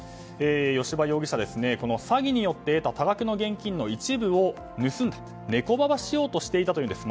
吉羽容疑者は詐欺によって得た多額の現金の一部をネコババしようとしていたというんです。